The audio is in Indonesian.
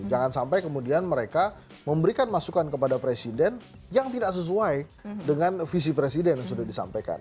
jangan sampai kemudian mereka memberikan masukan kepada presiden yang tidak sesuai dengan visi presiden yang sudah disampaikan